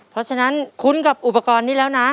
เพราะฉะนั้นคุ้นกับอุปกรณ์นี้แล้วนะ